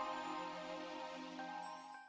nanti aku mau ketemu sama dia